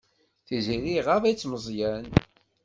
Tiziri iɣaḍ-itt Meẓyan.